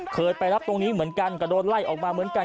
เคยไปรับตรงนี้เหมือนกันก็โดนไล่ออกมาเหมือนกัน